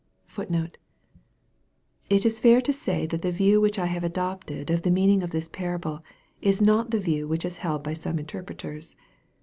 It is fair to say that the view which I have adopted of the meaning of this parable, is not the view which is held by some interpreters.